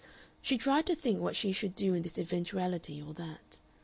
She tried to think what she should do in this eventuality or that.